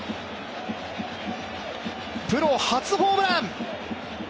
プロ初ホームラン！